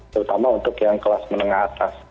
terutama untuk yang kelas menengah atas